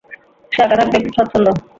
সে একা থাকতেই স্বচ্ছন্দ।